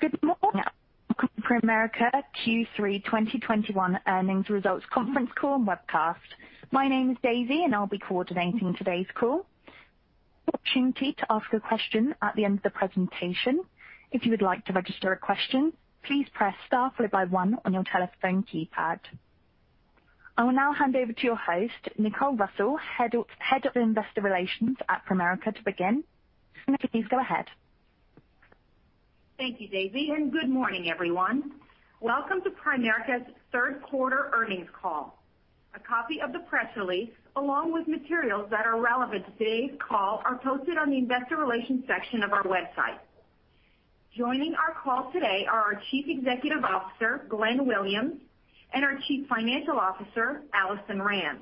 Good morning. Welcome to Primerica Q3 2021 Earnings Results Conference Call and Webcast. My name is Daisy, and I'll be coordinating today's call. The opportunity to ask a question at the end of the presentation. If you would like to register a question, please press star followed by one on your telephone keypad. I will now hand over to your host, Nicole Russell, Head of Investor Relations at Primerica to begin. Nicole, please go ahead. Thank you, Daisy, and good morning, everyone. Welcome to Primerica's third quarter earnings call. A copy of the press release, along with materials that are relevant to today's call, are posted on the investor relations section of our website. Joining our call today are our Chief Executive Officer, Glenn Williams, and our Chief Financial Officer, Alison Rand.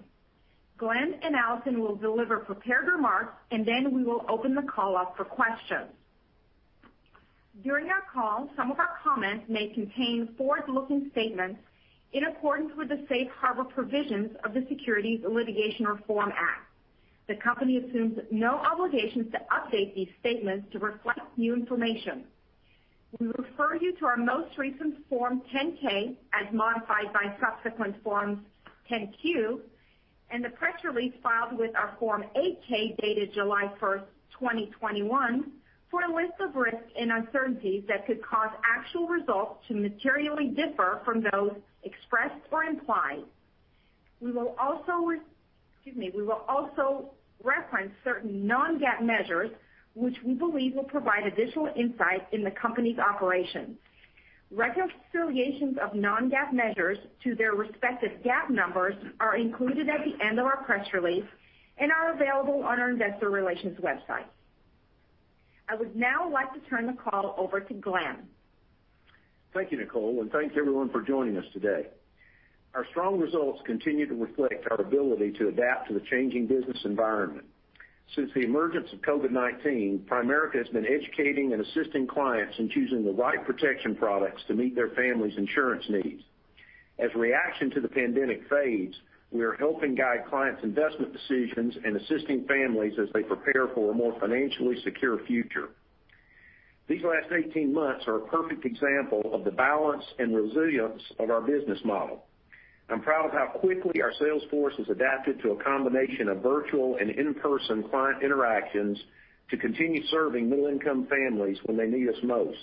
Glenn and Alison will deliver prepared remarks, and then we will open the call up for questions. During our call, some of our comments may contain forward-looking statements in accordance with the safe harbor provisions of the Securities Litigation Reform Act. The company assumes no obligations to update these statements to reflect new information. We refer you to our most recent Form 10-K, as modified by subsequent Forms 10-Q, and the press release filed with our Form 8-K, dated July 1st, 2021, for a list of risks and uncertainties that could cause actual results to materially differ from those expressed or implied. We will also reference certain non-GAAP measures which we believe will provide additional insight in the company's operations. Reconciliations of non-GAAP measures to their respective GAAP numbers are included at the end of our press release and are available on our investor relations website. I would now like to turn the call over to Glenn. Thank you, Nicole, and thanks everyone for joining us today. Our strong results continue to reflect our ability to adapt to the changing business environment. Since the emergence of COVID-19, Primerica has been educating and assisting clients in choosing the right protection products to meet their families' insurance needs. As reaction to the pandemic fades, we are helping guide clients' investment decisions and assisting families as they prepare for a more financially secure future. These last 18 months are a perfect example of the balance and resilience of our business model. I'm proud of how quickly our sales force has adapted to a combination of virtual and in-person client interactions to continue serving middle-income families when they need us most.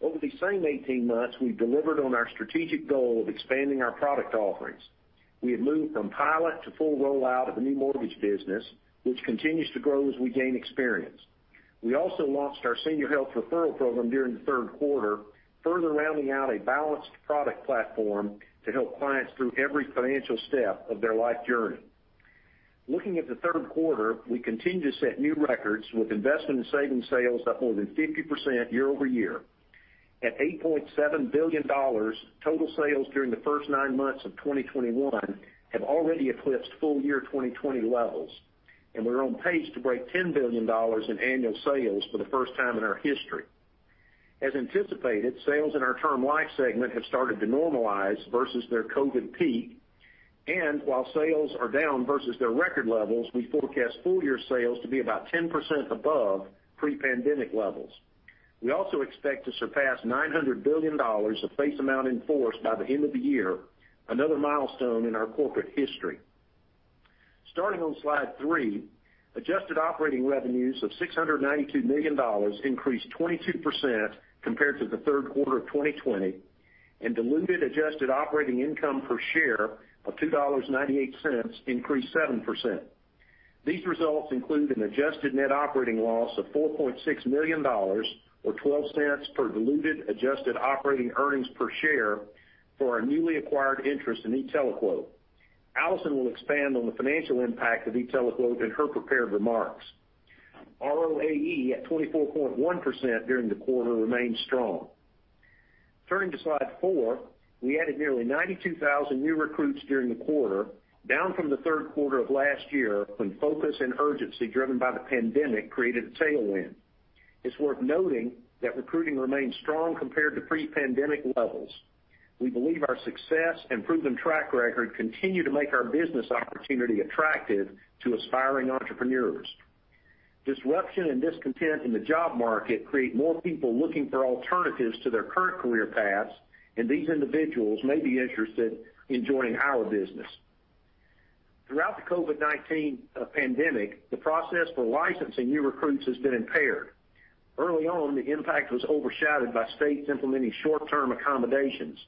Over these same 18 months, we've delivered on our strategic goal of expanding our product offerings. We have moved from pilot to full rollout of the new mortgage business, which continues to grow as we gain experience. We also launched our Senior Health Referral Program during the third quarter, further rounding out a balanced product platform to help clients through every financial step of their life journey. Looking at the third quarter, we continue to set new records with investment and savings sales up more than 50% year-over-year. At $8.7 billion, total sales during the first nine months of 2021 have already eclipsed full year 2020 levels, and we're on pace to break $10 billion in annual sales for the first time in our history. As anticipated, sales in our Term Life segment have started to normalize versus their COVID peak. While sales are down versus their record levels, we forecast full-year sales to be about 10% above pre-pandemic levels. We also expect to surpass $900 billion of face amount in force by the end of the year, another milestone in our corporate history. Starting on slide three, adjusted operating revenues of $692 million increased 22% compared to the third quarter of 2020, and diluted adjusted operating income per share of $2.98 increased 7%. These results include an adjusted net operating loss of $4.6 million, or $0.12 per diluted adjusted operating earnings per share for our newly acquired interest in e-TeleQuote. Alison will expand on the financial impact of e-TeleQuote in her prepared remarks. ROAE at 24.1% during the quarter remains strong. Turning to slide four, we added nearly 92,000 new recruits during the quarter, down from the third quarter of last year when focus and urgency driven by the pandemic created a tailwind. It's worth noting that recruiting remains strong compared to pre-pandemic levels. We believe our success and proven track record continue to make our business opportunity attractive to aspiring entrepreneurs. Disruption and discontent in the job market create more people looking for alternatives to their current career paths, and these individuals may be interested in joining our business. Throughout the COVID-19 pandemic, the process for licensing new recruits has been impaired. Early on, the impact was overshadowed by states implementing short-term accommodations.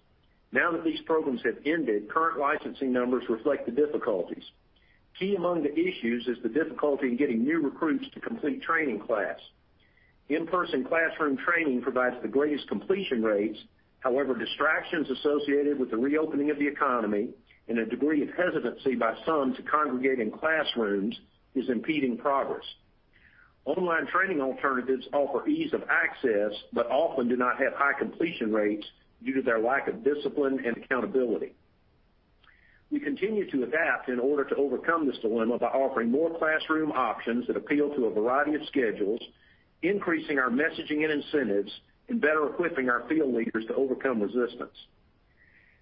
Now that these programs have ended, current licensing numbers reflect the difficulties. Key among the issues is the difficulty in getting new recruits to complete training class. In-person classroom training provides the greatest completion rates. However, distractions associated with the reopening of the economy and a degree of hesitancy by some to congregate in classrooms is impeding progress. Online training alternatives offer ease of access but often do not have high completion rates due to their lack of discipline and accountability. We continue to adapt in order to overcome this dilemma by offering more classroom options that appeal to a variety of schedules, increasing our messaging and incentives, and better equipping our field leaders to overcome resistance.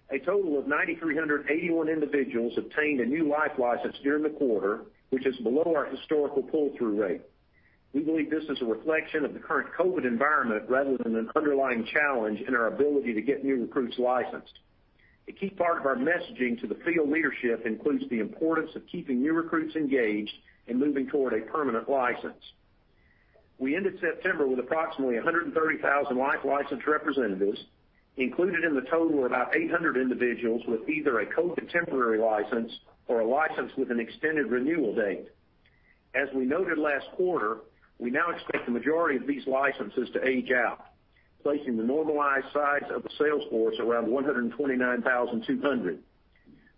A total of 9,381 individuals obtained a new life license during the quarter, which is below our historical pull-through rate. We believe this is a reflection of the current COVID environment rather than an underlying challenge in our ability to get new recruits licensed. A key part of our messaging to the field leadership includes the importance of keeping new recruits engaged and moving toward a permanent license. We ended September with approximately 130,000 life-licensed representatives. Included in the total are about 800 individuals with either a COVID temporary license or a license with an extended renewal date. As we noted last quarter, we now expect the majority of these licenses to age out, placing the normalized size of the sales force around 129,200.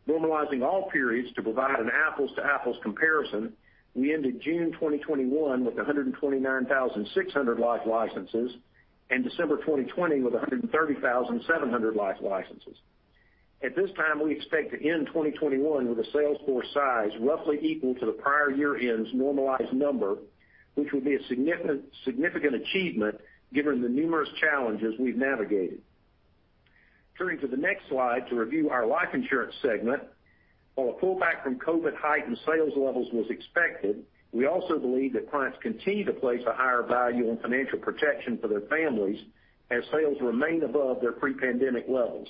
Normalizing all periods to provide an apples-to-apples comparison, we ended June 2021 with 129,600 life licenses and December 2020 with 130,700 life licenses. At this time, we expect to end 2021 with a sales force size roughly equal to the prior year-end's normalized number, which will be a significant achievement given the numerous challenges we've navigated. Turning to the next slide to review our life insurance segment. While a pullback from COVID-heightened sales levels was expected, we also believe that clients continue to place a higher value on financial protection for their families, as sales remain above their pre-pandemic levels.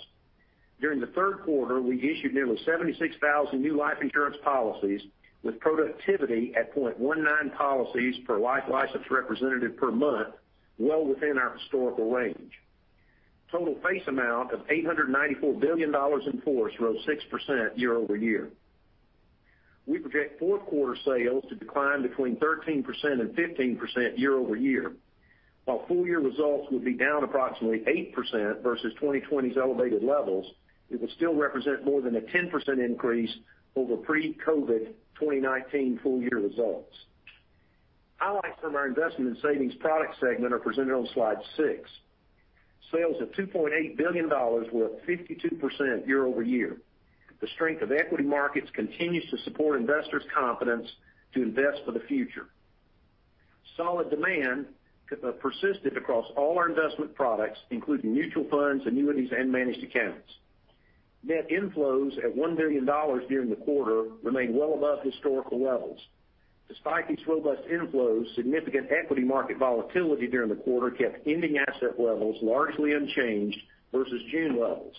During the third quarter, we issued nearly 76,000 new life insurance policies, with productivity at 0.19 policies per life license representative per month, well within our historical range. Total face amount of $894 billion in force rose 6% year-over-year. We project fourth quarter sales to decline between 13%-15% year-over-year. While full-year results will be down approximately 8% versus 2020's elevated levels, it will still represent more than a 10% increase over pre-COVID 2019 full-year results. Highlights from our Investment and Savings Products segment are presented on slide six. Sales of $2.8 billion were up 52% year-over-year. The strength of equity markets continues to support investors' confidence to invest for the future. Solid demand persisted across all our investment products, including mutual funds, annuities, and managed accounts. Net inflows at $1 billion during the quarter remain well above historical levels. Despite these robust inflows, significant equity market volatility during the quarter kept ending asset levels largely unchanged versus June levels.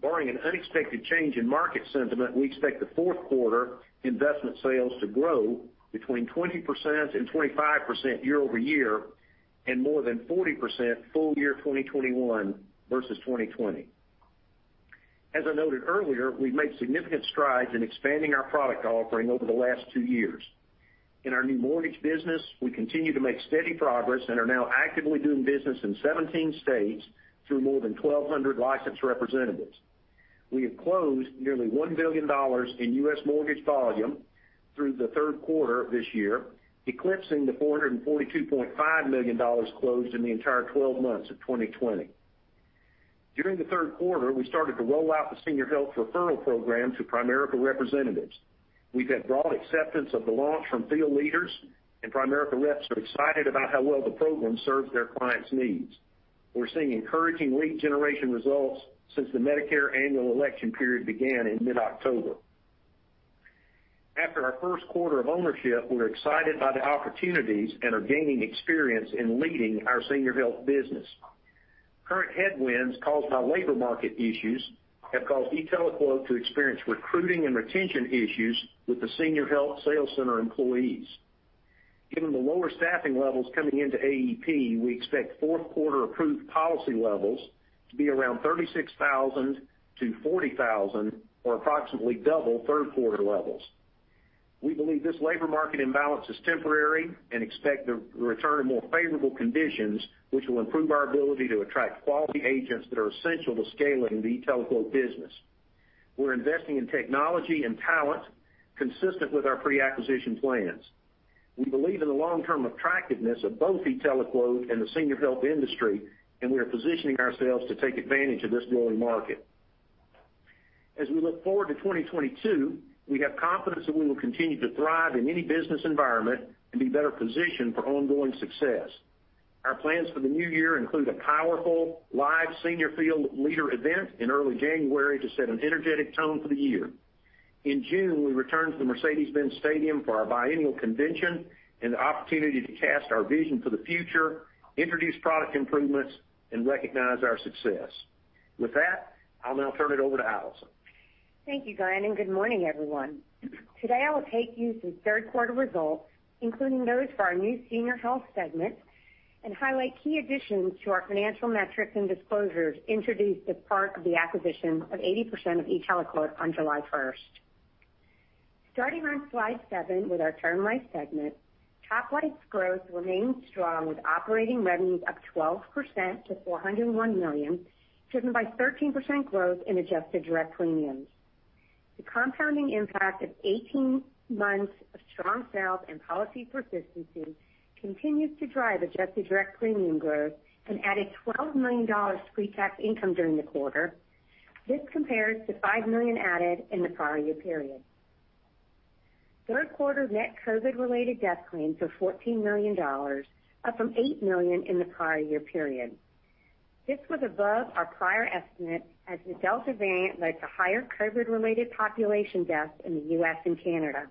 Barring an unexpected change in market sentiment, we expect the fourth quarter investment sales to grow between 20%-25% year-over-year and more than 40% full year 2021 versus 2020. As I noted earlier, we've made significant strides in expanding our product offering over the last two years. In our new mortgage business, we continue to make steady progress and are now actively doing business in 17 states through more than 1,200 licensed representatives. We have closed nearly $1 billion in U.S. mortgage volume through the third quarter of this year, eclipsing the $442.5 million closed in the entire 12 months of 2020. During the third quarter, we started to roll out the Senior Health Referral Program to Primerica representatives. We've had broad acceptance of the launch from field leaders, Primerica reps are excited about how well the program serves their clients' needs. We're seeing encouraging lead generation results since the Medicare Annual Election Period began in mid-October. After our first quarter of ownership, we're excited by the opportunities and are gaining experience in leading our Senior Health business. Current headwinds caused by labor market issues have caused e-TeleQuote to experience recruiting and retention issues with the Senior Health sales center employees. Given the lower staffing levels coming into AEP, we expect fourth quarter approved policy levels to be around 36,000-40,000, or approximately double third quarter levels. We believe this labor market imbalance is temporary and expect the return of more favorable conditions, which will improve our ability to attract quality agents that are essential to scaling the e-TeleQuote business. We're investing in technology and talent consistent with our pre-acquisition plans. We believe in the long-term attractiveness of both e-TeleQuote and the Senior Health industry, and we are positioning ourselves to take advantage of this growing market. As we look forward to 2022, we have confidence that we will continue to thrive in any business environment and be better positioned for ongoing success. Our plans for the new year include a powerful live senior field leader event in early January to set an energetic tone for the year. In June, we return to the Mercedes-Benz Stadium for our biennial convention and the opportunity to cast our vision for the future, introduce product improvements, and recognize our success. With that, I'll now turn it over to Alison. Thank you, Glenn, and good morning, everyone. Today, I will take you through third-quarter results, including those for our new Senior Health segment, and highlight key additions to our financial metrics and disclosures introduced as part of the acquisition of 80% of e-TeleQuote on July 1st. Starting on slide seven with our Term Life segment. Top line growth remains strong with operating revenues up 12% to $401 million, driven by 13% growth in adjusted direct premiums. The compounding impact of 18 months of strong sales and policy persistency continues to drive adjusted direct premium growth and added $12 million pre-tax income during the quarter. This compares to $5 million added in the prior year period. Third quarter net COVID-related death claims of $14 million, up from $8 million in the prior year period. This was above our prior estimate as the Delta variant led to higher COVID-related population deaths in the U.S. and Canada.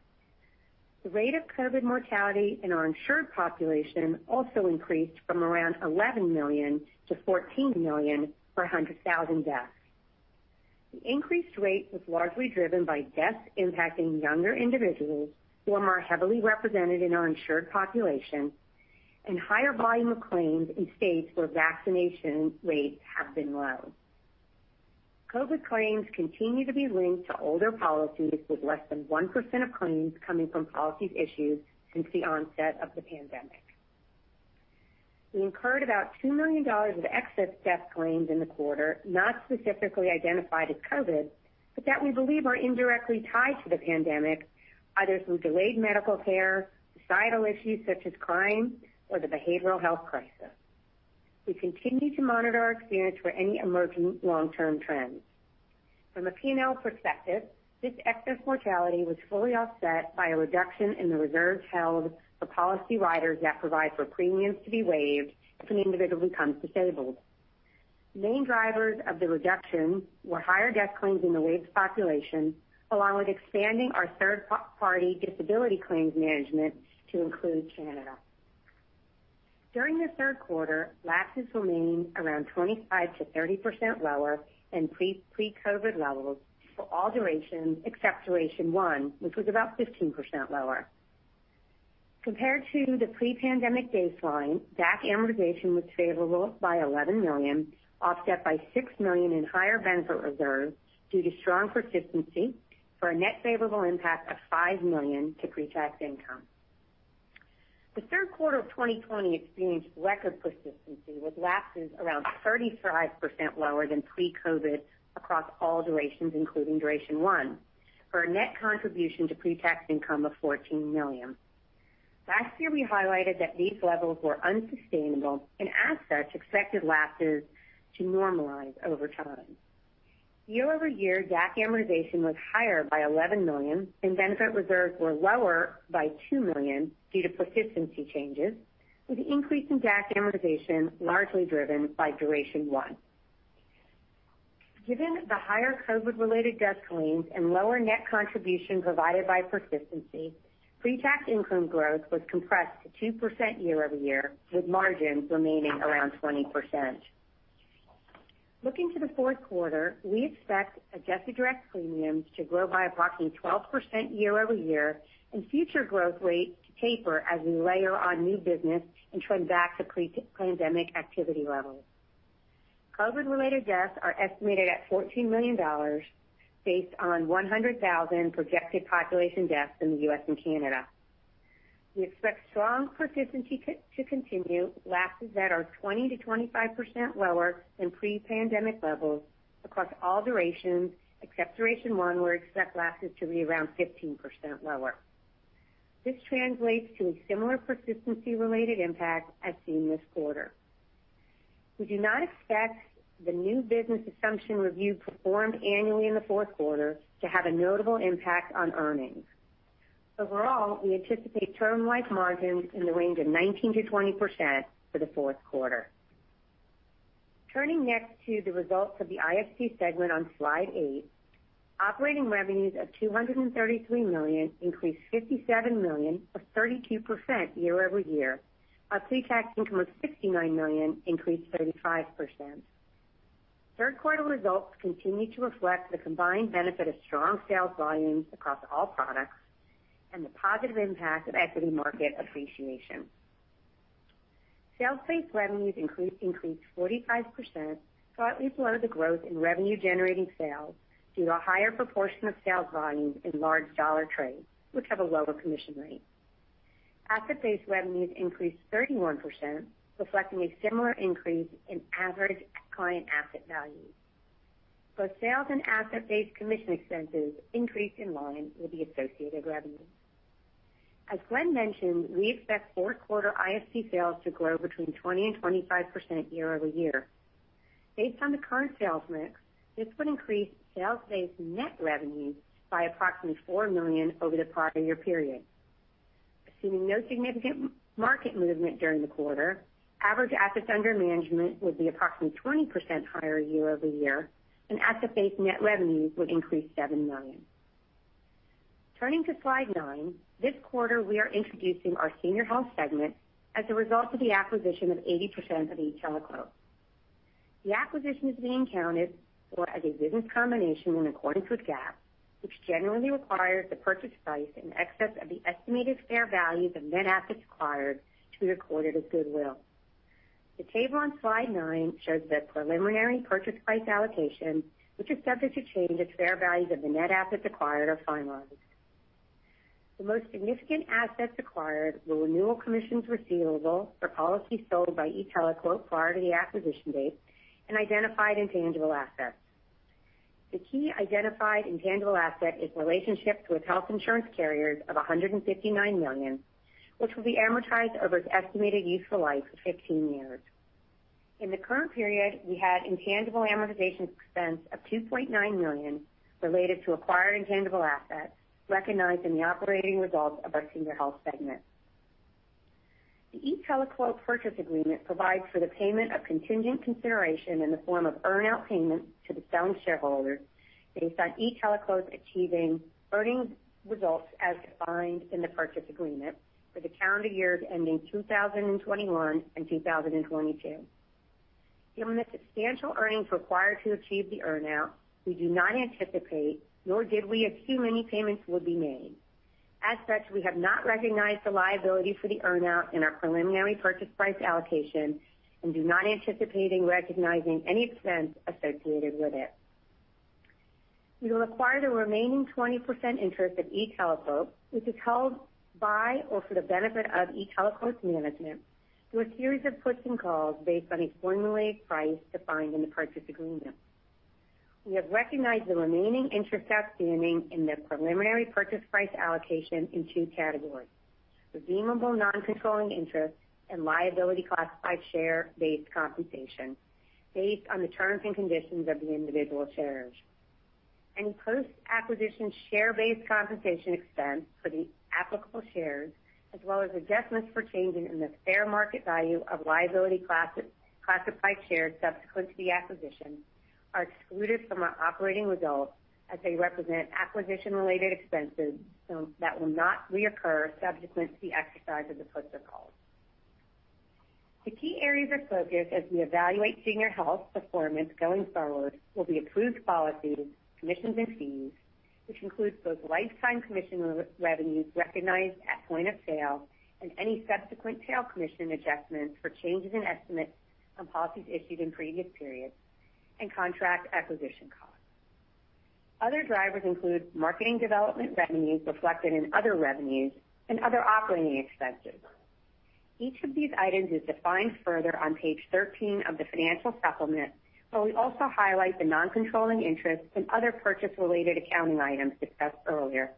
The rate of COVID mortality in our insured population also increased from around 11 million to 14 million per 100,000 deaths. The increased rate was largely driven by deaths impacting younger individuals, who are more heavily represented in our insured population, and higher volume of claims in states where vaccination rates have been low. COVID claims continue to be linked to older policies, with less than 1% of claims coming from policies issued since the onset of the pandemic. We incurred about $2 million of excess death claims in the quarter, not specifically identified as COVID, but that we believe are indirectly tied to the pandemic, either through delayed medical care, societal issues such as crime, or the behavioral health crisis. We continue to monitor our experience for any emerging long-term trends. From a P&L perspective, this excess mortality was fully offset by a reduction in the reserves held for policy riders that provide for premiums to be waived if an individual becomes disabled. Main drivers of the reduction were higher death claims in the waived population, along with expanding our third-party disability claims management to include Canada. During the third quarter, lapses remained around 25%-30% lower than pre-COVID levels for all durations except duration 1, which was about 15% lower. Compared to the pre-pandemic baseline, DAC amortization was favorable by $11 million, offset by $6 million in higher benefit reserves due to strong persistency for a net favorable impact of $5 million to pre-tax income. The third quarter of 2020 experienced record persistency, with lapses around 35% lower than pre-COVID across all durations, including duration 1, for a net contribution to pre-tax income of $14 million. Last year, we highlighted that these levels were unsustainable, and as such, expected lapses to normalize over time. Year-over-year, DAC amortization was higher by $11 million, and benefit reserves were lower by $2 million due to persistency changes, with increase in DAC amortization largely driven by duration 1. Given the higher COVID-related death claims and lower net contribution provided by persistency, pre-tax income growth was compressed to 2% year-over-year, with margins remaining around 20%. Looking to the fourth quarter, we expect adjusted direct premiums to grow by approximately 12% year-over-year and future growth rates to taper as we layer on new business and trend back to pre-pandemic activity levels. COVID-related deaths are estimated at $14 million based on 100,000 projected population deaths in the U.S. and Canada. We expect strong persistency to continue with lapses that are 20%-25% lower than pre-pandemic levels across all durations except duration 1, where we expect lapses to be around 15% lower. This translates to a similar persistency-related impact as seen this quarter. We do not expect the new business assumption review performed annually in the fourth quarter to have a notable impact on earnings. Overall, we anticipate Term Life margins in the range of 19%-20% for the fourth quarter. Turning next to the results of the IFC segment on slide eight, operating revenues of $233 million increased $57 million or 32% year-over-year. Our pre-tax income was $69 million, increased 35%. Third quarter results continue to reflect the combined benefit of strong sales volumes across all products and the positive impact of equity market appreciation. Sales-based revenues increased 45%, slightly below the growth in revenue-generating sales due to a higher proportion of sales volumes in large dollar trades, which have a lower commission rate. Asset-based revenues increased 31%, reflecting a similar increase in average client asset value. Both sales and asset-based commission expenses increased in line with the associated revenue. As Glenn mentioned, we expect fourth quarter IFC sales to grow between 20% and 25% year-over-year. Based on the current sales mix, this would increase sales-based net revenue by approximately $4 million over the prior year period. Assuming no significant market movement during the quarter, average assets under management will be approximately 20% higher year-over-year, and asset-based net revenues would increase $7 million. Turning to slide nine. This quarter, we are introducing our Senior Health segment as a result of the acquisition of 80% of e-TeleQuote. The acquisition is being counted for as a business combination in accordance with GAAP, which generally requires the purchase price in excess of the estimated fair value of net assets acquired to be recorded as goodwill. The table on slide nine shows the preliminary purchase price allocation, which is subject to change as fair values of the net assets acquired are finalized. The most significant assets acquired were renewal commissions receivable for policies sold by e-TeleQuote prior to the acquisition date and identified intangible assets. The key identified intangible asset is relationships with health insurance carriers of $159 million, which will be amortized over its estimated useful life of 15 years. In the current period, we had intangible amortization expense of $2.9 million related to acquired intangible assets recognized in the operating results of our Senior Health segment. The e-TeleQuote purchase agreement provides for the payment of contingent consideration in the form of earn-out payments to the selling shareholders based on e-TeleQuote achieving earnings results as defined in the purchase agreement for the calendar years ending 2021 and 2022. Given the substantial earnings required to achieve the earn-out, we do not anticipate, nor did we assume any payments would be made. As such, we have not recognized the liability for the earn-out in our preliminary purchase price allocation and do not anticipate recognizing any expense associated with it. We will acquire the remaining 20% interest of e-TeleQuote, which is held by or for the benefit of e-TeleQuote's management, through a series of puts and calls based on a formulated price defined in the purchase agreement. We have recognized the remaining interest outstanding in the preliminary purchase price allocation in 2 categories: redeemable non-controlling interest and liability classified share-based compensation based on the terms and conditions of the individual shares. Any post-acquisition share-based compensation expense for the applicable shares, as well as adjustments for changes in the fair market value of liability-classified shares subsequent to the acquisition, are excluded from our operating results as they represent acquisition-related expenses that will not reoccur subsequent to the exercise of the puts or calls. The key areas of focus as we evaluate Senior Health's performance going forward will be approved policies, commissions, and fees, which includes both lifetime commission revenues recognized at point of sale and any subsequent tail commission adjustments for changes in estimates on policies issued in previous periods and contract acquisition costs. Other drivers include marketing development revenues reflected in other revenues and other operating expenses. Each of these items is defined further on page 13 of the financial supplement, where we also highlight the non-controlling interest and other purchase-related accounting items discussed earlier.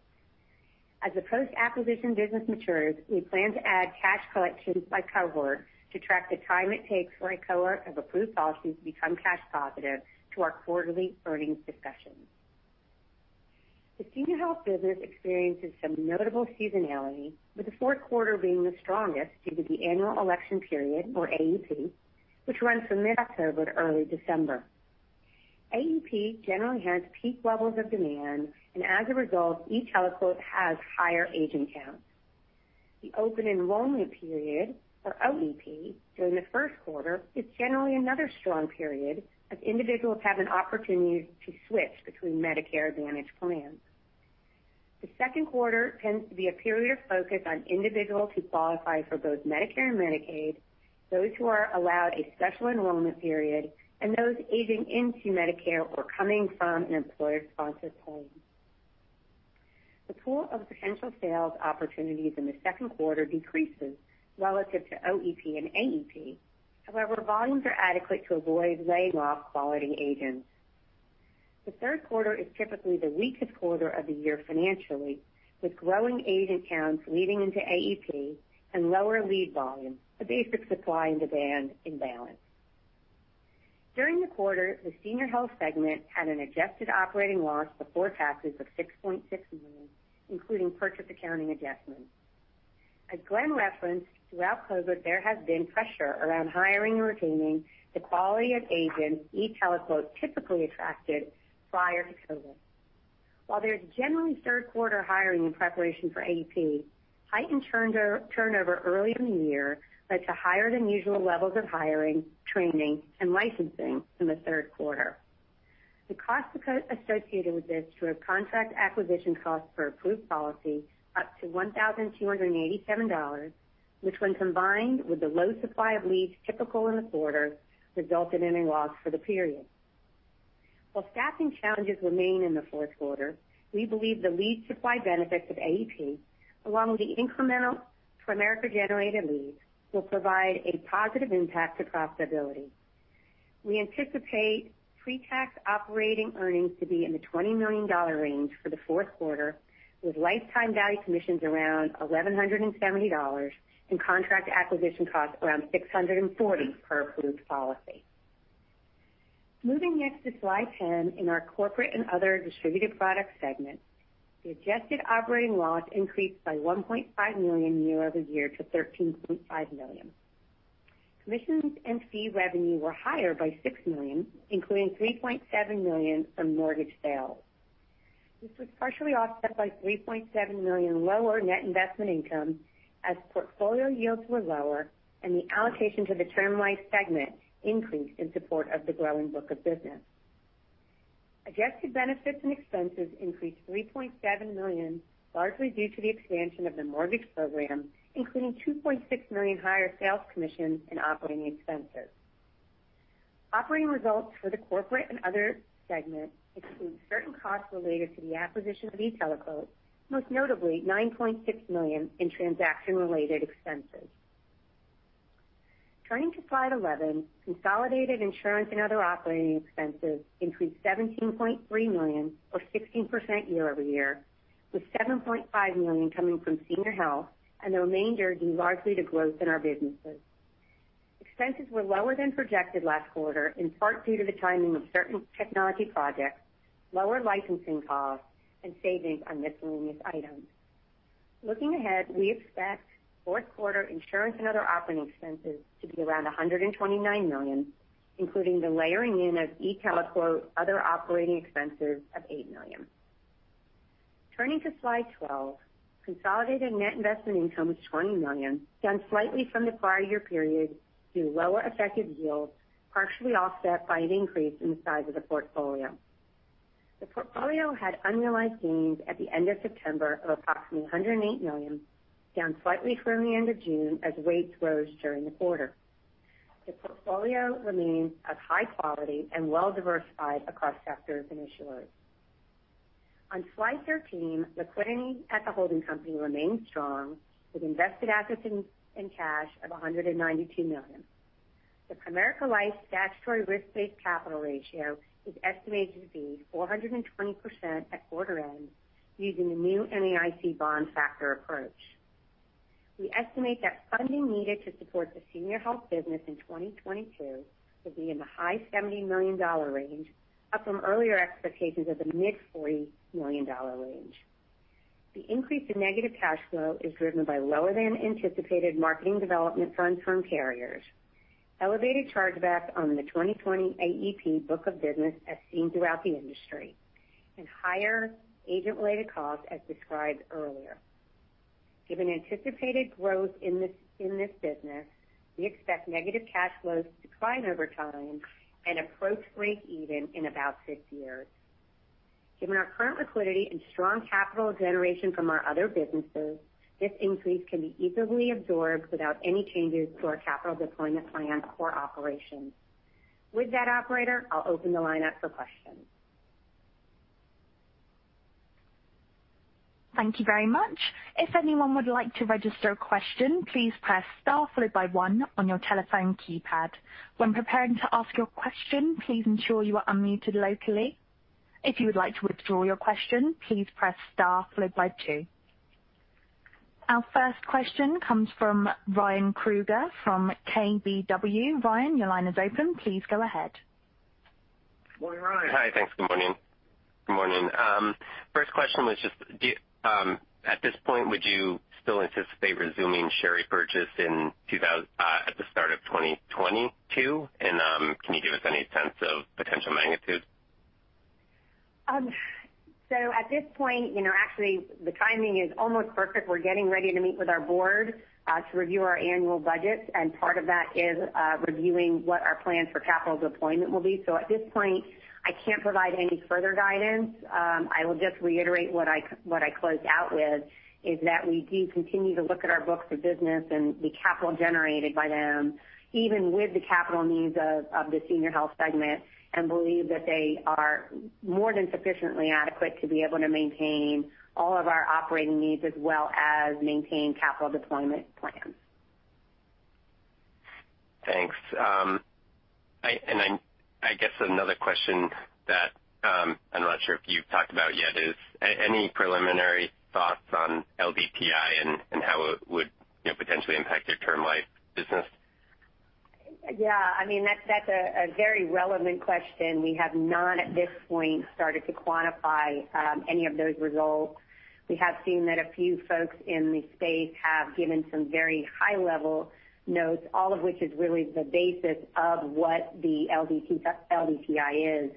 As the post-acquisition business matures, we plan to add cash collections by cohort to track the time it takes for a cohort of approved policies to become cash positive to our quarterly earnings discussions. The Senior Health business experiences some notable seasonality, with the fourth quarter being the strongest due to the Annual Election Period or AEP, which runs from mid-October to early December. AEP generally has peak levels of demand, and as a result, e-TeleQuote has higher agent counts. The Open Enrollment Period or OEP during the first quarter is generally another strong period as individuals have an opportunity to switch between Medicare Advantage plans. The second quarter tends to be a period of focus on individuals who qualify for both Medicare and Medicaid, those who are allowed a special enrollment period, and those aging into Medicare or coming from an employer-sponsored plan. The pool of potential sales opportunities in the second quarter decreases relative to OEP and AEP. The third quarter is typically the weakest quarter of the year financially, with growing agent counts leading into AEP and lower lead volumes, the basic supply and demand imbalance. During the quarter, the Senior Health segment had an adjusted operating loss before taxes of $6.6 million, including purchase accounting adjustments. As Glenn referenced, throughout COVID, there has been pressure around hiring and retaining the quality of agents e-TeleQuote typically attracted prior to COVID. While there is generally third quarter hiring in preparation for AEP, heightened turnover early in the year led to higher than usual levels of hiring, training, and licensing in the third quarter. The costs associated with this drove contract acquisition costs per approved policy up to $1,287, which when combined with the low supply of leads typical in the quarter, resulted in a loss for the period. While staffing challenges remain in the fourth quarter, we believe the lead supply benefits of AEP, along with the incremental Primerica-generated leads, will provide a positive impact to profitability. We anticipate pre-tax operating earnings to be in the $20 million range for the fourth quarter, with lifetime value commissions around $1,170 and contract acquisition costs around $640 per approved policy. Moving next to slide 10 in our Corporate and Other Distributed Products segment, the adjusted operating loss increased by $1.5 million year-over-year to $13.5 million. Commissions and fee revenue were higher by $6 million, including $3.7 million from mortgage sales. This was partially offset by $3.7 million lower net investment income as portfolio yields were lower and the allocation to the Term Life segment increased in support of the growing book of business. Adjusted benefits and expenses increased $3.7 million, largely due to the expansion of the mortgage program, including $2.6 million higher sales commissions and operating expenses. Operating results for the Corporate and Other segment exclude certain costs related to the acquisition of e-TeleQuote, most notably $9.6 million in transaction-related expenses. Turning to slide 11, consolidated insurance and other operating expenses increased $17.3 million or 16% year-over-year, with $7.5 million coming from Senior Health and the remainder due largely to growth in our businesses. Expenses were lower than projected last quarter, in part due to the timing of certain technology projects, lower licensing costs, and savings on miscellaneous items. Looking ahead, we expect fourth quarter insurance and other operating expenses to be around $129 million, including the layering in of e-TeleQuote other operating expenses of $8 million. Turning to slide 12, consolidated net investment income was $20 million, down slightly from the prior year period due to lower effective yields, partially offset by an increase in the size of the portfolio. The portfolio had unrealized gains at the end of September of approximately $108 million, down slightly from the end of June as rates rose during the quarter. The portfolio remains of high quality and well-diversified across sectors and issuers. On slide 13, liquidity at the holding company remains strong, with invested assets in cash of $192 million. The Primerica Life statutory risk-based capital ratio is estimated to be 420% at quarter end, using the new NAIC bond factor approach. We estimate that funding needed to support the Senior Health business in 2022 will be in the high $70 million range, up from earlier expectations of the mid $40 million range. The increase in negative cash flow is driven by lower-than-anticipated marketing development funds from carriers, elevated charge-backs on the 2020 AEP book of business as seen throughout the industry, and higher agent-related costs as described earlier. Given anticipated growth in this business, we expect negative cash flows to decline over time and approach breakeven in about six years. Given our current liquidity and strong capital generation from our other businesses, this increase can be easily absorbed without any changes to our capital deployment plans or operations. With that, operator, I'll open the line up for questions. Thank you very much. If anyone would like to register a question, please press star followed by one on your telephone keypad. When preparing to ask your question, please ensure you are unmuted locally. If you would like to withdraw your question, please press star followed by two. Our first question comes from Ryan Krueger from KBW. Ryan, your line is open. Please go ahead. Morning, Ryan. Hi. Thanks. Good morning. First question was just, at this point, would you still anticipate resuming share repurchase at the start of 2022? Can you give us any sense of potential magnitude? At this point, actually, the timing is almost perfect. We're getting ready to meet with our board to review our annual budgets, part of that is reviewing what our plans for capital deployment will be. At this point, I can't provide any further guidance. I will just reiterate what I closed out with is that we do continue to look at our books of business and the capital generated by them, even with the capital needs of the Senior Health segment, and believe that they are more than sufficiently adequate to be able to maintain all of our operating needs as well as maintain capital deployment plans. Thanks. I guess another question that I'm not sure if you've talked about yet is, any preliminary thoughts on LDTI and how it would potentially impact your term life business? Yeah, that's a very relevant question. We have not, at this point, started to quantify any of those results. We have seen that a few folks in the space have given some very high-level notes, all of which is really the basis of what the LDTI is.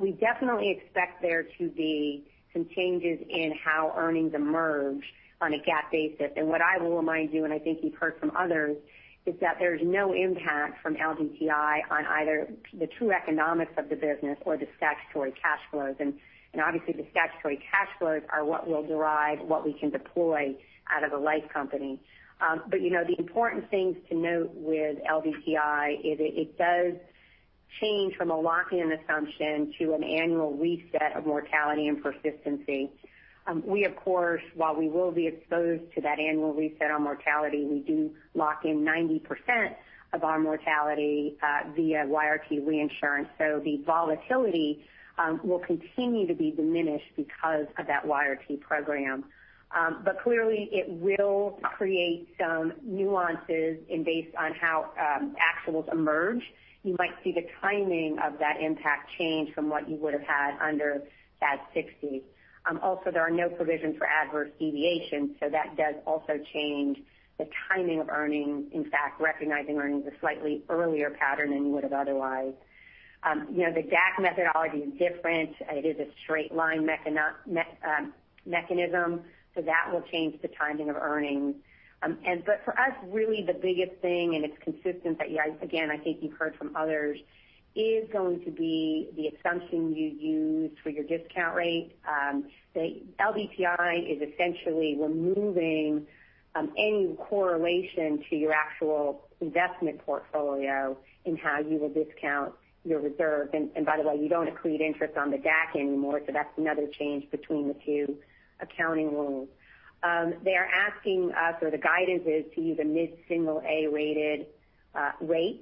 We definitely expect there to be some changes in how earnings emerge on a GAAP basis. What I will remind you, and I think you've heard from others, is that there's no impact from LDTI on either the true economics of the business or the statutory cash flows. Obviously, the statutory cash flows are what we'll derive, what we can deploy out of the life company. The important things to note with LDTI is it does change from a lock-in assumption to an annual reset of mortality and persistency. We, of course, while we will be exposed to that annual reset on mortality, we do lock in 90% of our mortality via YRT reinsurance. The volatility will continue to be diminished because of that YRT program. Clearly, it will create some nuances and based on how actuals emerge, you might see the timing of that impact change from what you would have had under FAS 60. There are no provisions for adverse deviation, so that does also change the timing of earnings. In fact, recognizing earnings a slightly earlier pattern than you would have otherwise. The DAC methodology is different. It is a straight line mechanism. That will change the timing of earnings. For us, really the biggest thing, and it's consistent that, again, I think you've heard from others, is going to be the assumption you use for your discount rate. The LDTI is essentially removing any correlation to your actual investment portfolio in how you will discount your reserves. By the way, you don't accrete interest on the DAC anymore, so that's another change between the two accounting rules. They are asking us, or the guidance is to use a mid-single A-rated rate.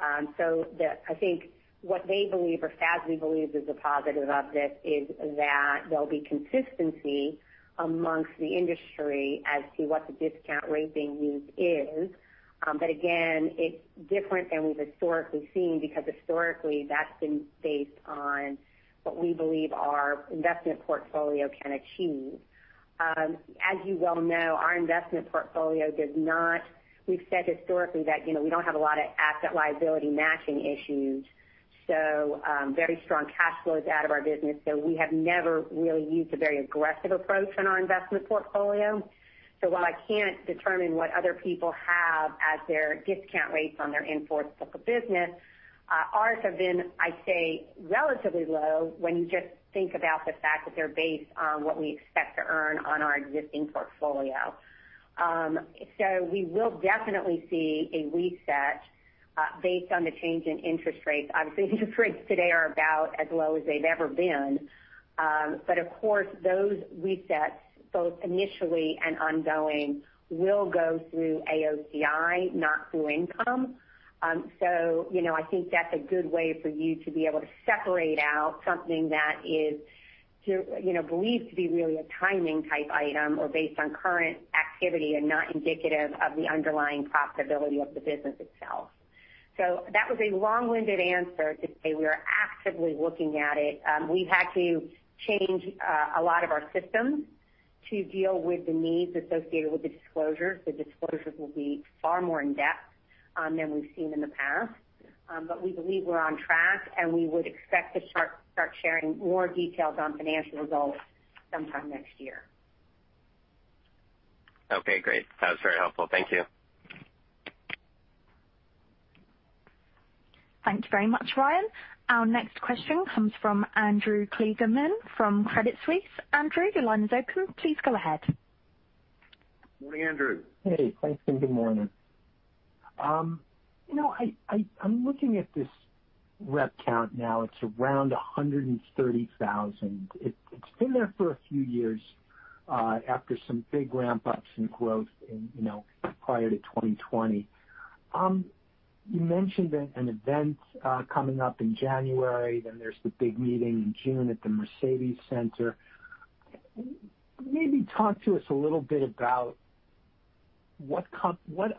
I think what they believe or FASB believes is a positive of this is that there'll be consistency amongst the industry as to what the discount rating use is. Again, it's different than we've historically seen, because historically, that's been based on what we believe our investment portfolio can achieve. As you well know, we've said historically that we don't have a lot of asset liability matching issues, so very strong cash flows out of our business. We have never really used a very aggressive approach in our investment portfolio. While I can't determine what other people have as their discount rates on their in-force book of business, ours have been, I'd say, relatively low when you just think about the fact that they're based on what we expect to earn on our existing portfolio. We will definitely see a reset based on the change in interest rates. Obviously, interest rates today are about as low as they've ever been. Of course, those resets, both initially and ongoing, will go through AOCI, not through income. I think that's a good way for you to be able to separate out something that is believed to be really a timing type item or based on current activity and not indicative of the underlying profitability of the business itself. That was a long-winded answer to say we are actively looking at it. We've had to change a lot of our systems to deal with the needs associated with the disclosures. The disclosures will be far more in-depth than we've seen in the past. We believe we're on track, and we would expect to start sharing more details on financial results sometime next year. Okay, great. That was very helpful. Thank you. Thanks very much, Ryan. Our next question comes from Andrew Kligerman from Credit Suisse. Andrew, your line is open. Please go ahead. Good morning, Andrew. Hey, thanks. Good morning. I'm looking at this rep count now. It's around 130,000. It's been there for a few years after some big ramp-ups in growth prior to 2020. You mentioned an event coming up in January. There's the big meeting in June at the Mercedes-Benz Stadium. Maybe talk to us a little bit about what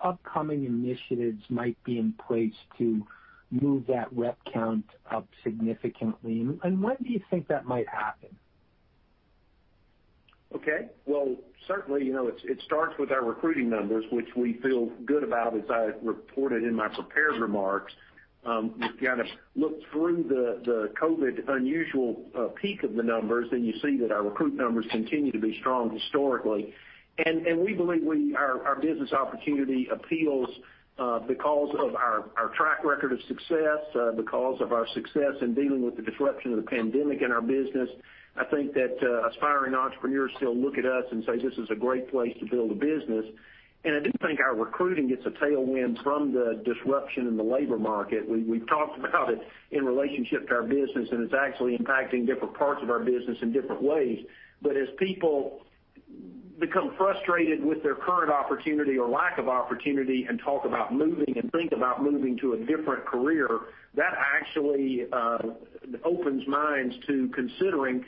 upcoming initiatives might be in place to move that rep count up significantly, and when do you think that might happen? Okay. Well, certainly, it starts with our recruiting numbers, which we feel good about, as I reported in my prepared remarks. If you look through the COVID unusual peak of the numbers, then you see that our recruit numbers continue to be strong historically. We believe our business opportunity appeals because of our track record of success, because of our success in dealing with the disruption of the pandemic in our business. I think that aspiring entrepreneurs still look at us and say, "This is a great place to build a business." I do think our recruiting gets a tailwind from the disruption in the labor market. We've talked about it in relationship to our business, and it's actually impacting different parts of our business in different ways. As people become frustrated with their current opportunity or lack of opportunity and talk about moving and think about moving to a different career, that actually opens minds to considering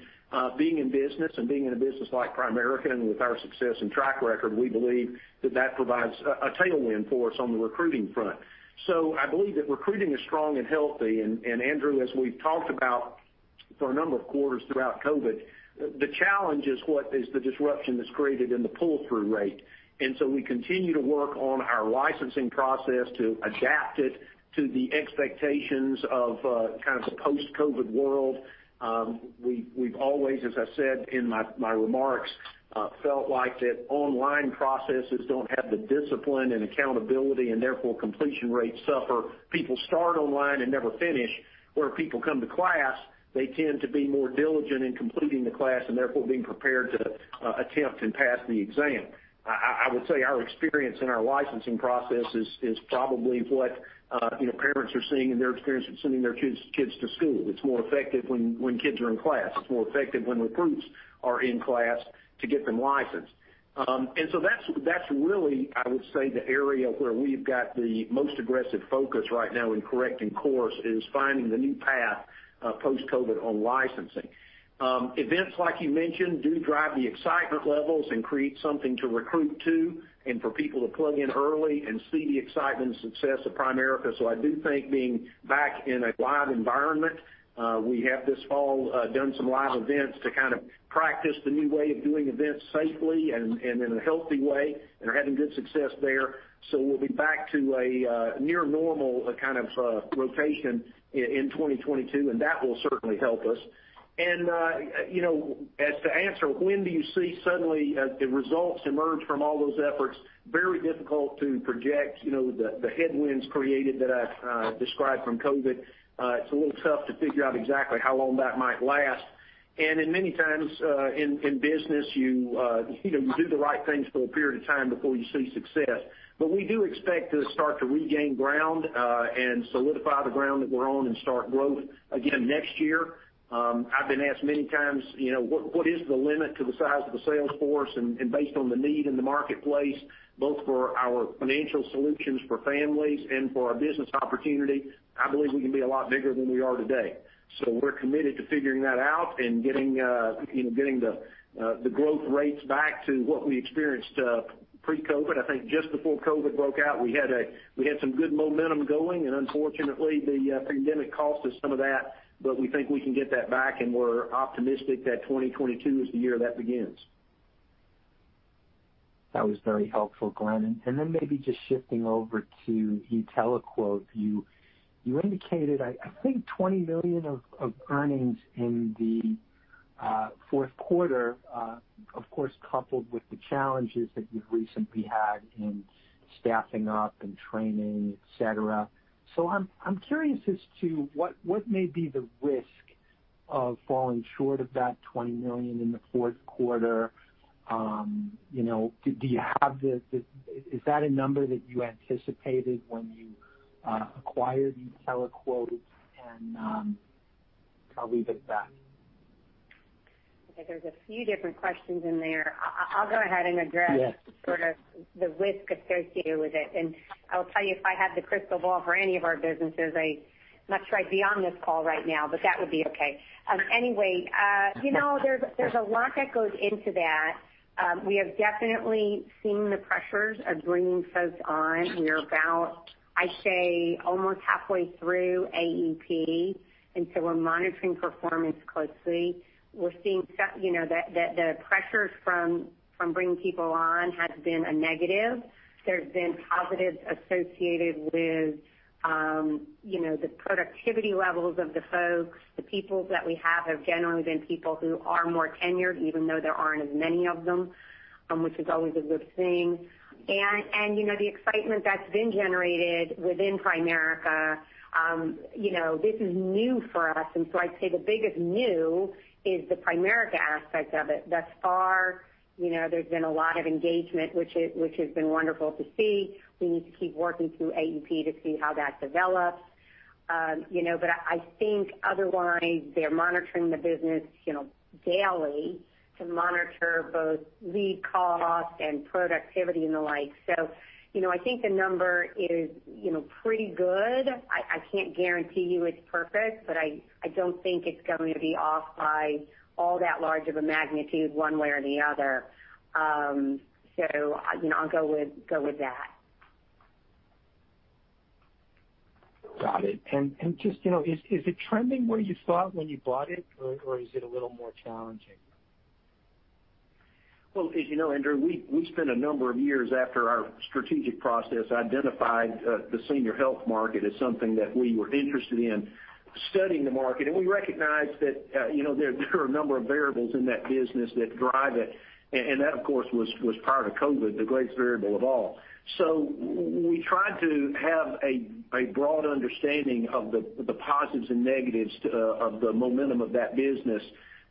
being in business and being in a business like Primerica, and with our success and track record, we believe that that provides a tailwind for us on the recruiting front. I believe that recruiting is strong and healthy. Andrew Kligerman, as we've talked about for a number of quarters throughout COVID, the challenge is what is the disruption that's created in the pull-through rate. We continue to work on our licensing process to adapt it to the expectations of kind of the post-COVID world. We've always, as I said in my remarks, felt like that online processes don't have the discipline and accountability, and therefore, completion rates suffer. People start online and never finish, where people come to class, they tend to be more diligent in completing the class and therefore being prepared to attempt and pass the exam. I would say our experience in our licensing process is probably what parents are seeing in their experience with sending their kids to school. It's more effective when kids are in class. It's more effective when recruits are in class to get them licensed. That's really, I would say, the area where we've got the most aggressive focus right now in correcting course is finding the new path post-COVID on licensing. Events like you mentioned do drive the excitement levels and create something to recruit to and for people to plug in early and see the excitement and success of Primerica. I do think being back in a live environment, we have this fall done some live events to kind of practice the new way of doing events safely and in a healthy way and are having good success there. We'll be back to a near normal kind of rotation in 2022, and that will certainly help us. As to answer, when do you see suddenly the results emerge from all those efforts? Very difficult to project the headwinds created that I've described from COVID. It's a little tough to figure out exactly how long that might last. In many times in business, you do the right things for a period of time before you see success. We do expect to start to regain ground and solidify the ground that we're on and start growing again next year. I've been asked many times, what is the limit to the size of the sales force? Based on the need in the marketplace, both for our financial solutions for families and for our business opportunity, I believe we can be a lot bigger than we are today. We're committed to figuring that out and getting the growth rates back to what we experienced pre-COVID. I think just before COVID broke out, we had some good momentum going. Unfortunately, the pandemic cost us some of that, but we think we can get that back, and we're optimistic that 2022 is the year that begins. That was very helpful, Glenn. Maybe just shifting over to e-TeleQuote. You indicated, I think, $20 million of earnings in the fourth quarter, of course, coupled with the challenges that you've recently had in staffing up and training, et cetera. I'm curious as to what may be the risk of falling short of that $20 million in the fourth quarter. Is that a number that you anticipated when you acquired e-TeleQuote? I'll leave it at that. Okay, there's a few different questions in there. I'll go ahead and. Yes. the risk associated with it. I'll tell you, if I had the crystal ball for any of our businesses, I must ride beyond this call right now, but that would be okay. Anyway, there's a lot that goes into that. We have definitely seen the pressures of bringing folks on. We're about, I'd say, almost halfway through AEP, we're monitoring performance closely. We're seeing that the pressures from bringing people on has been a negative. There's been positives associated with the productivity levels of the folks. The people that we have have generally been people who are more tenured, even though there aren't as many of them, which is always a good thing. The excitement that's been generated within Primerica, this is new for us, I'd say the biggest new is the Primerica aspect of it. Thus far, there's been a lot of engagement, which has been wonderful to see. We need to keep working through AEP to see how that develops. I think otherwise, they're monitoring the business daily to monitor both lead cost and productivity and the like. I think the number is pretty good. I can't guarantee you it's perfect, I don't think it's going to be off by all that large of a magnitude one way or the other. I'll go with that. Got it. Is it trending where you thought when you bought it, or is it a little more challenging? Well, as you know, Andrew Kligerman, we spent a number of years after our strategic process identified the Senior Health market as something that we were interested in studying the market. We recognized that there are a number of variables in that business that drive it. That, of course, was prior to COVID-19, the greatest variable of all. We tried to have a broad understanding of the positives and negatives of the momentum of that business.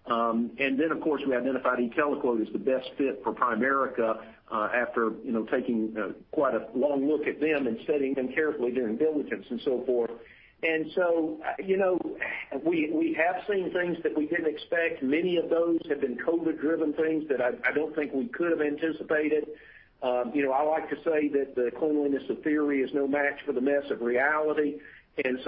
Then, of course, we identified e-TeleQuote as the best fit for Primerica after taking quite a long look at them and studying them carefully during diligence and so forth. We have seen things that we didn't expect. Many of those have been COVID-19-driven things that I don't think we could have anticipated. I like to say that the cleanliness of theory is no match for the mess of reality.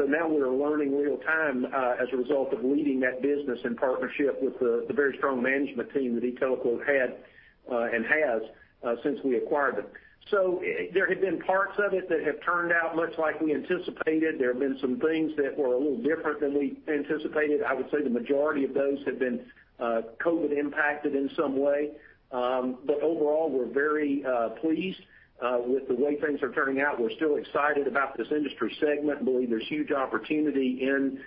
Now we're learning real time as a result of leading that business in partnership with the very strong management team that e-TeleQuote had and has since we acquired them. There have been parts of it that have turned out much like we anticipated. There have been some things that were a little different than we anticipated. I would say the majority of those have been COVID-19 impacted in some way. Overall, we're very pleased with the way things are turning out. We're still excited about this industry segment, believe there's huge opportunity in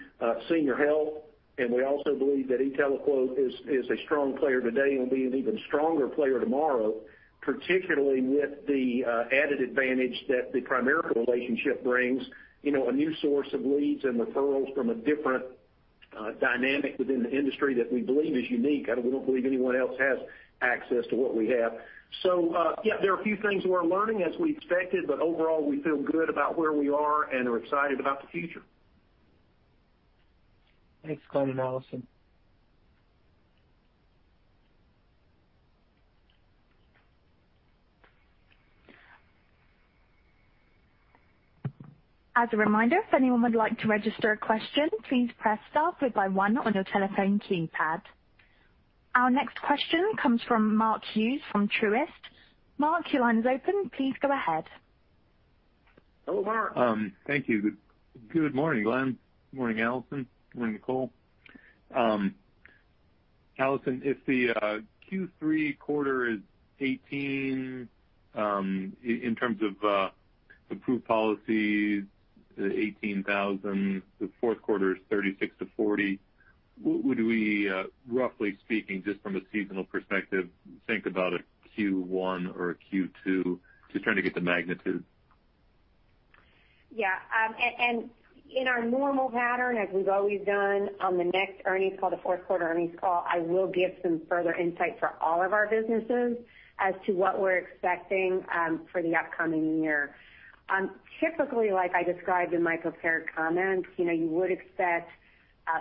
Senior Health, and we also believe that e-TeleQuote is a strong player today and will be an even stronger player tomorrow, particularly with the added advantage that the Primerica relationship brings a new source of leads and referrals from a different dynamic within the industry that we believe is unique. We don't believe anyone else has access to what we have. Yeah, there are a few things we're learning as we expected, overall, we feel good about where we are and are excited about the future. Thanks, Glenn and Alison. As a reminder, if anyone would like to register a question, please press star followed by one on your telephone keypad. Our next question comes from Mark Hughes from Truist. Mark, your line is open. Please go ahead. Hello, Mark. Thank you. Good morning, Glenn. Morning, Alison. Morning, Nicole. Alison, if the Q3 quarter is 18 in terms of approved policies, the 18,000, the fourth quarter is 36-40, what would we, roughly speaking, just from a seasonal perspective, think about a Q1 or a Q2? Just trying to get the magnitude. Yeah. In our normal pattern, as we've always done on the next earnings call, the fourth quarter earnings call, I will give some further insight for all of our businesses as to what we're expecting for the upcoming year. Typically, like I described in my prepared comments, you would expect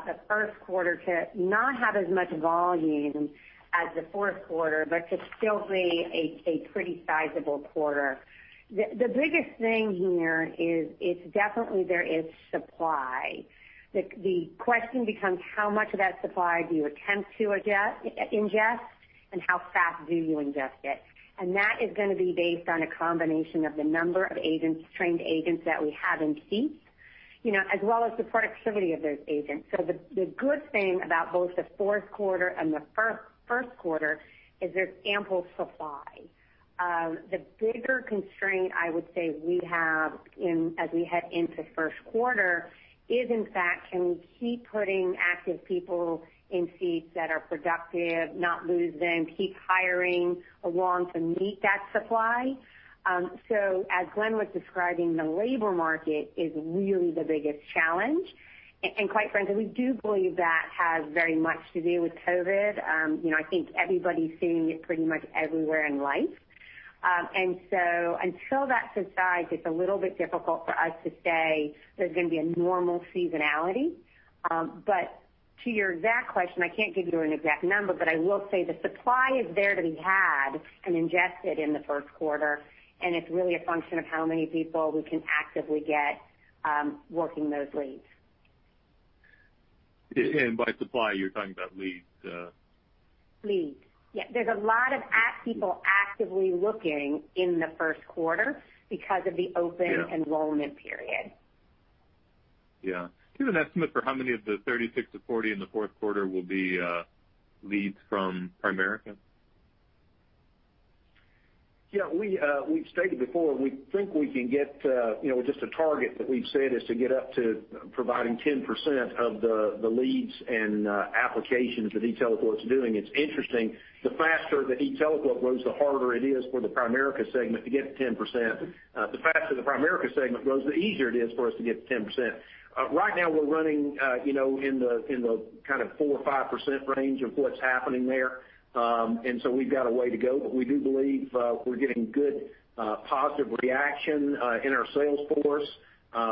the first quarter to not have as much volume as the fourth quarter, but to still be a pretty sizable quarter. The biggest thing here is definitely there is supply. The question becomes how much of that supply do you attempt to ingest, and how fast do you ingest it? That is going to be based on a combination of the number of agents, trained agents that we have in seats, as well as the productivity of those agents. The good thing about both the fourth quarter and the first quarter is there's ample supply. The bigger constraint I would say we have as we head into first quarter is in fact, can we keep putting active people in seats that are productive, not lose them, keep hiring along to meet that supply? As Glenn was describing, the labor market is really the biggest challenge. Quite frankly, we do believe that has very much to do with COVID. I think everybody's seeing it pretty much everywhere in life. Until that subsides, it's a little bit difficult for us to say there's going to be a normal seasonality. To your exact question, I can't give you an exact number, but I will say the supply is there to be had and ingested in the first quarter, and it's really a function of how many people we can actively get working those leads. By supply, you're talking about leads? Leads. Yeah. There's a lot of people actively looking in the first quarter. Yeah enrollment period. Yeah. Do you have an estimate for how many of the 36 to 40 in the fourth quarter will be leads from Primerica? Yeah. We've stated before, we think we can get, just a target that we've said is to get up to providing 10% of the leads and applications that e-TeleQuote's doing. It's interesting. The faster that e-TeleQuote grows, the harder it is for the Primerica segment to get to 10%. The faster the Primerica segment grows, the easier it is for us to get to 10%. Right now, we're running in the kind of 4% or 5% range of what's happening there. We've got a way to go, but we do believe we're getting good, positive reaction in our sales force.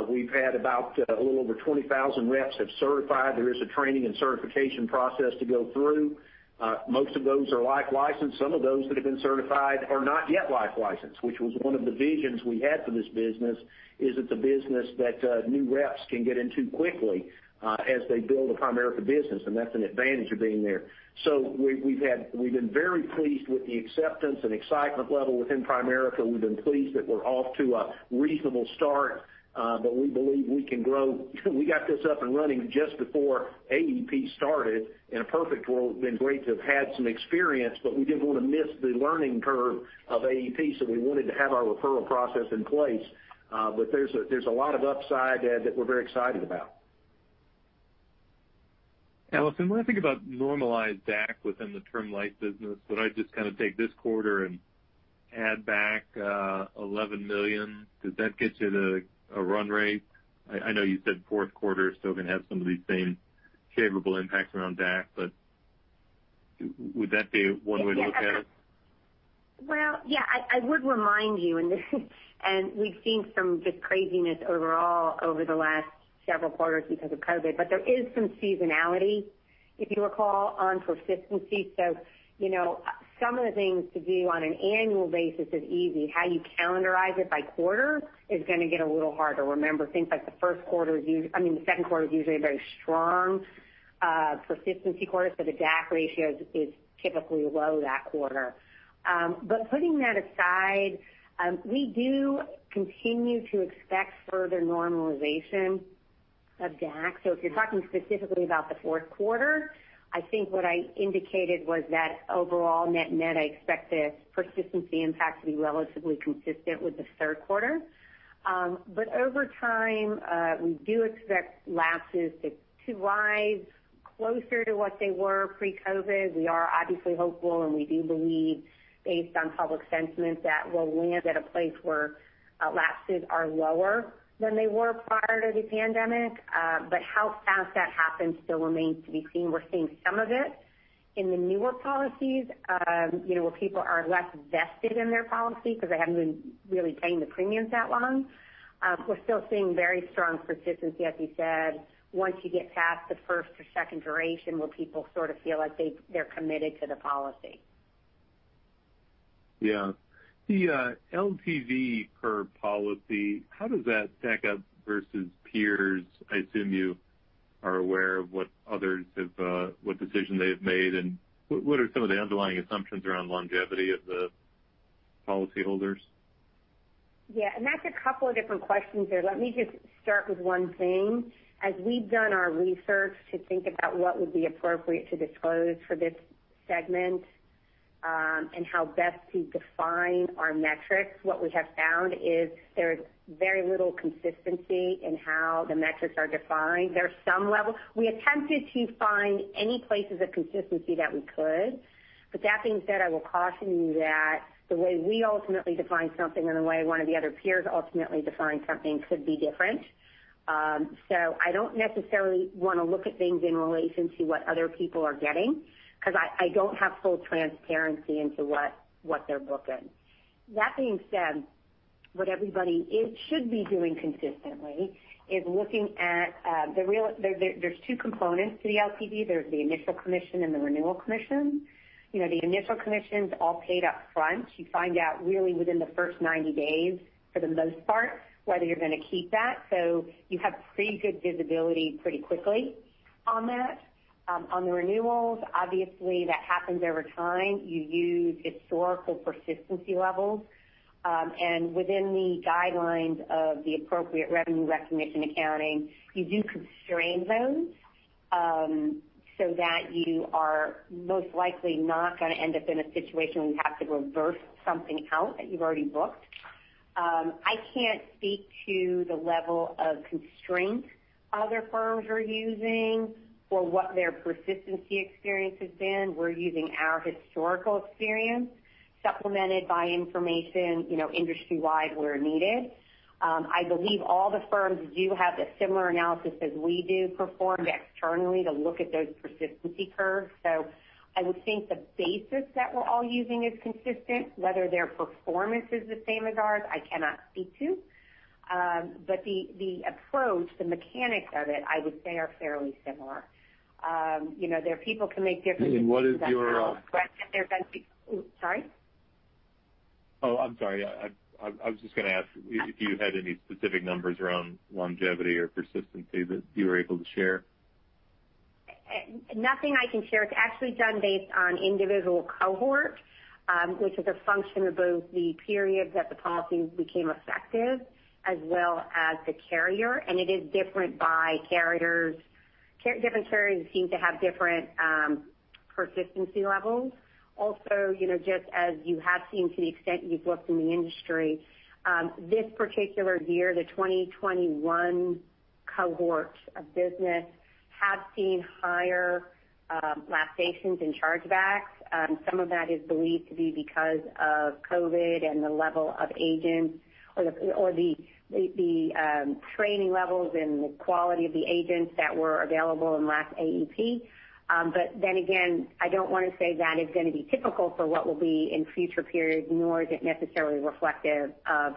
We've had about a little over 20,000 reps have certified. There is a training and certification process to go through. Most of those are life licensed. Some of those that have been certified are not yet life licensed, which was one of the visions we had for this business, is it's a business that new reps can get into quickly as they build a Primerica business, and that's an advantage of being there. We've been very pleased with the acceptance and excitement level within Primerica. We've been pleased that we're off to a reasonable start, but we believe we can grow. We got this up and running just before AEP started. In a perfect world, it would've been great to have had some experience, we didn't want to miss the learning curve of AEP, so we wanted to have our referral process in place. There's a lot of upside that we're very excited about. Alison, when I think about normalized DAC within the Term Life business, would I just take this quarter and add back $11 million? Does that get you to a run rate? I know you said fourth quarter is still going to have some of these same favorable impacts around DAC. Would that be one way to look at it? Yeah. I would remind you, we've seen some just craziness overall over the last several quarters because of COVID. There is some seasonality, if you recall, on persistency. Some of the things to do on an annual basis is easy. How you calendarize it by quarter is going to get a little harder. Remember, things like the second quarter is usually a very strong persistency quarter. The DAC ratio is typically low that quarter. Putting that aside, we do continue to expect further normalization of DAC. If you're talking specifically about the fourth quarter, I think what I indicated was that overall net new, I expect the persistency impact to be relatively consistent with the third quarter. Over time, we do expect lapses to rise closer to what they were pre-COVID. We are obviously hopeful, we do believe, based on public sentiment, that we'll land at a place where lapses are lower than they were prior to the pandemic. How fast that happens still remains to be seen. We're seeing some of it in the newer policies where people are less vested in their policy because they haven't been really paying the premiums that long. We're still seeing very strong persistency, as you said, once you get past the first or second duration where people sort of feel like they're committed to the policy. Yeah. The LTV per policy, how does that stack up versus peers? I assume you are aware of what decision they've made. What are some of the underlying assumptions around longevity of the policyholders? Yeah. That's a couple of different questions there. Let me just start with one theme. As we've done our research to think about what would be appropriate to disclose for this segment, and how best to define our metrics, what we have found is there is very little consistency in how the metrics are defined. There's some level. We attempted to find any places of consistency that we could. That being said, I will caution you that the way we ultimately define something and the way one of the other peers ultimately define something could be different. I don't necessarily want to look at things in relation to what other people are getting because I don't have full transparency into what they're booking. That being said, what everybody should be doing consistently is looking at the two components to the LTV. There's the initial commission and the renewal commission. The initial commission's all paid up front. You find out really within the first 90 days, for the most part, whether you're going to keep that. You have pretty good visibility pretty quickly on that. On the renewals, obviously, that happens over time. You use historical persistency levels. Within the guidelines of the appropriate revenue recognition accounting, you do constrain those. That you are most likely not going to end up in a situation where you have to reverse something out that you've already booked. I can't speak to the level of constraint other firms are using or what their persistency experience has been. We're using our historical experience supplemented by information industry-wide where needed. I believe all the firms do have the similar analysis as we do performed externally to look at those persistency curves. I would think the basis that we're all using is consistent. Whether their performance is the same as ours, I cannot speak to. The approach, the mechanics of it, I would say are fairly similar. There are people who can make different assumptions about how- What is your- Sorry? Oh, I'm sorry. I was just going to ask if you had any specific numbers around longevity or persistency that you were able to share. Nothing I can share. It's actually done based on individual cohort, which is a function of both the period that the policy became effective as well as the carrier, and it is different by carriers. Different carriers seem to have different persistency levels. Also, just as you have seen to the extent you've looked in the industry, this particular year, the 2021 cohort of business have seen higher lapsations and chargebacks. Some of that is believed to be because of COVID and the level of agents or the training levels and the quality of the agents that were available in the last AEP. I don't want to say that is going to be typical for what will be in future periods, nor is it necessarily reflective of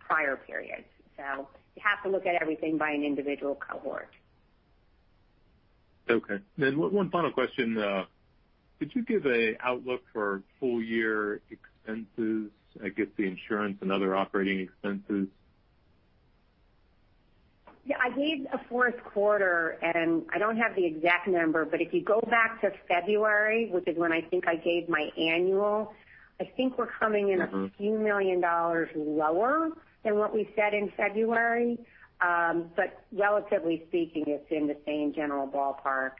prior periods. You have to look at everything by an individual cohort. Okay. One final question. Could you give an outlook for full-year expenses, I guess the insurance and other operating expenses? Yeah, I gave a fourth quarter, and I don't have the exact number, but if you go back to February, which is when I think I gave my annual, I think we're coming in a few million dollars lower than what we said in February. Relatively speaking, it's in the same general ballpark.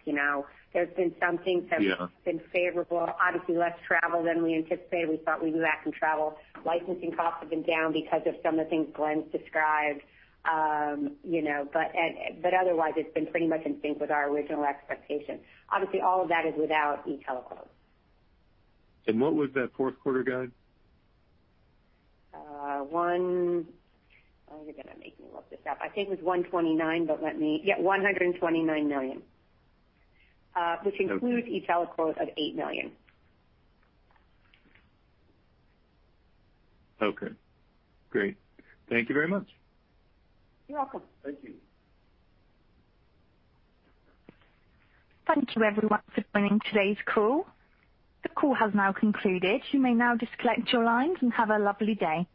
Yeah have been favorable. Obviously, less travel than we anticipated. We thought we'd be back in travel. Licensing costs have been down because of some of the things Glenn's described. Otherwise, it's been pretty much in sync with our original expectation. Obviously, all of that is without e-TeleQuote. What was that fourth quarter guide? You're going to make me look this up. I think it was $129 million. Which includes e-TeleQuote of $8 million. Okay, great. Thank you very much. You're welcome. Thank you. Thank you everyone for joining today's call. The call has now concluded. You may now disconnect your lines and have a lovely day.